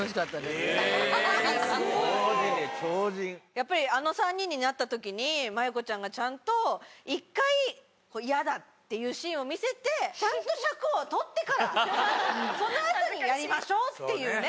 やっぱりあの３人になったときに麻友子ちゃんがちゃんと１回「嫌だ」って言うシーンを見せてちゃんと尺を取ってからその後に「やりましょう」っていうね